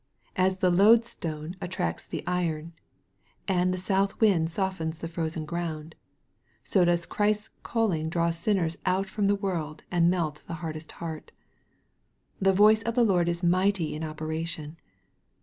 As the loadstone attracts the iron, and the south wind softens the frozen ground, so does Christ's calling draw sinners out from the world, and melt the hardest heart. " The voice of the Lord is mighty in operation."